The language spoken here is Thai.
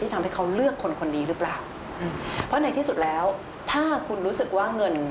ทำให้เขาเลือกคนคนนี้หรือเปล่าเพราะในที่สุดแล้วถ้าคุณรู้สึกว่าเงิน